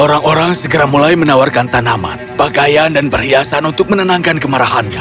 orang orang segera mulai menawarkan tanaman pakaian dan perhiasan untuk menenangkan kemarahannya